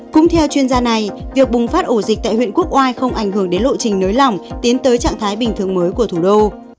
cũng theo chuyên gia này việc bùng phát ổ dịch tại huyện quốc oai không ảnh hưởng đến lộ trình nới lỏng tiến tới trạng thái bình thường mới của thủ đô